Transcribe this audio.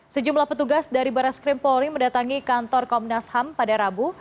sejumlah petugas dari barat skrim polri mendatangi kantor komnas ham pada rabu